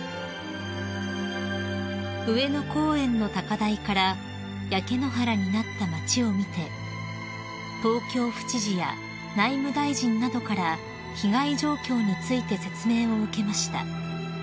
［上野公園の高台から焼け野原になった町を見て東京府知事や内務大臣などから被害状況について説明を受けました］